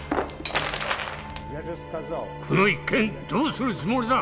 この一件どうするつもりだ。